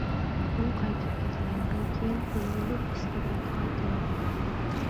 ئۇ قايتىپ كەلگەندىن كېيىن ئۆمۈرلۈك ئىستىبداتقا تەيىنلىنىدۇ.